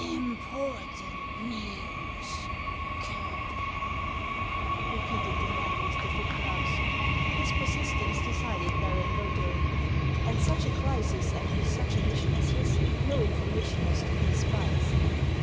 " Important news, Colonel !" repeated the man with the thick gloves. This persistence decided Baron Vcethaiin. At such a crisis, and with such a mission as his, no information was to be despised.